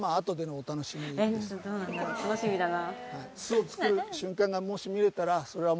楽しみだな。